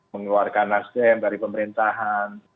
mengeluarkan nasdem dari pemerintahan